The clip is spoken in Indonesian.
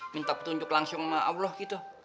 minta petunjuk langsung sama allah gitu